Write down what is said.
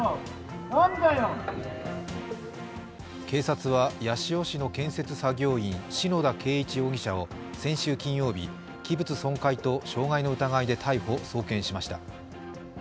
警察は、八潮市の建設作業員篠田恵一容疑者を先週金曜日器物損壊と傷害の疑いで逮捕・送検しました。